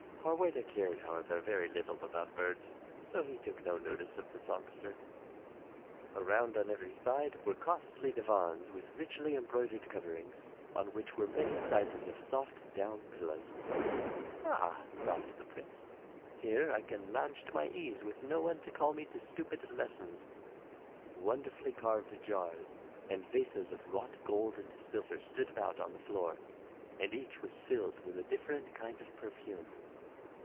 Harweda cared, however, very little about birds, so he took no notice of the songster. Around on every side were costly divans with richly embroid 36 THROUGH FAIRY HALLS ered coverings, on which were many sizes of soft down pillows. "Ah," thought the prince, "here I can lounge at my ease with no one to call me to stupid lessons!'* Wonderfully carved jars and vases of wrought gold and silver stood about on the floor and each was filled with a different kind of perfume.